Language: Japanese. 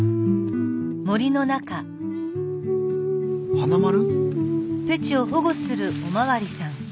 花丸？